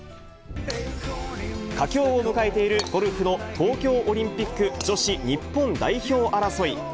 佳境を迎えているゴルフの東京オリンピック女子日本代表争い。